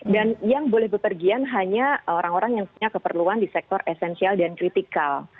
dan yang boleh berpergian hanya orang orang yang punya keperluan di sektor esensial dan kritikal